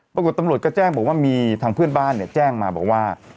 ปรากฏตำรวจก็แจ้งบอกว่ามีทางเพื่อนบ้านเนี่ยแจ้งมาบอกว่า